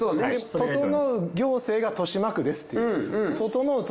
ととのう行政が豊島区ですっていう。